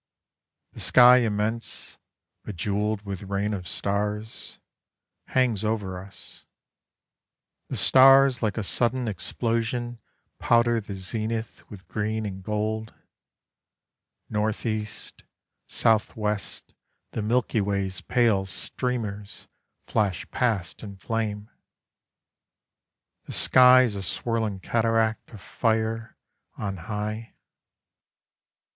_ The sky immense, bejewelled with rain of stars, Hangs over us: The stars like a sudden explosion powder the zenith With green and gold; North east, south west the Milky Way's pale streamers Flash past in flame; The sky is a swirling cataract Of fire, on high.